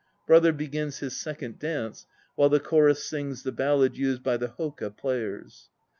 BROTHER (begins his second dance, while the CHORUS sings the ballad used by the "hoka" players).